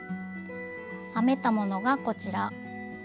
編めたものがこちら。